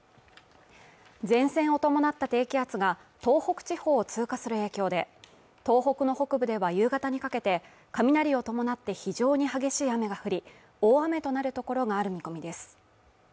前線を伴った低気圧が東北地方を通過する影響で東北の北部では夕方にかけて雷を伴って非常に激しい雨が降り大雨となる所がある見込みです